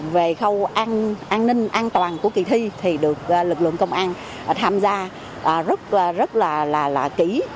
về khâu an ninh an toàn của kỳ thi thì được lực lượng công an tham gia rất rất là kỹ